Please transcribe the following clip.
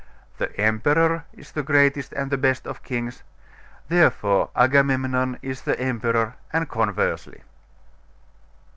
'The emperor is the greatest and the best of kings. 'Therefore, Agamemnon is the emperor, and conversely.